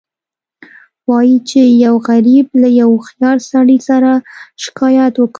وایي چې یو غریب له یو هوښیار سړي سره شکایت وکړ.